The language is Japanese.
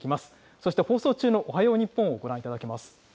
そして放送中のおはよう日本をご覧いただけます。